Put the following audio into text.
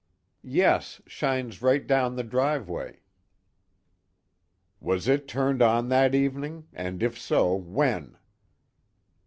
"Yes, shines right down the driveway." "Was it turned on that evening, and if so, when?"